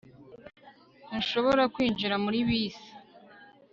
Ntushobora kwinjira muri bisi